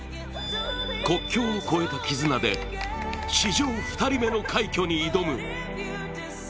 国境を超えた絆で史上２人目の快挙に挑む。